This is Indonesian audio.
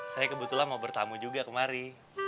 saya kebetulan mau bertamu juga kemari